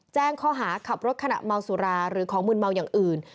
แจ้งข้อหาขับรถขณะเมาสุราหรือของมืนเมาอย่างอื่น